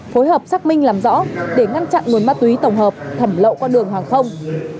phối hợp xác minh làm rõ để ngăn chặn nguồn ma túy tổng hợp thẩm lậu qua đường hàng không